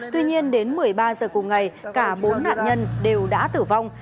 tuy nhiên đến một mươi ba giờ cùng ngày cả bốn nạn nhân đều đã tử vong